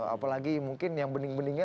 apalagi mungkin yang bening beningnya